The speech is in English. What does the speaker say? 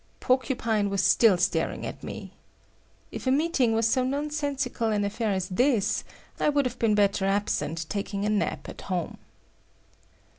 Porcupine was still staring at me. If a meeting was so nonsensical an affair as this, I would have been better absent taking a nap at home.